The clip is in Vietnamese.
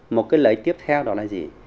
một cái lợi ích tiếp theo đó là gì